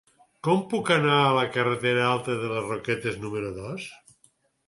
Com puc anar a la carretera Alta de les Roquetes número dos?